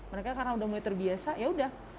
mereka karena udah mulai terbiasa ya udah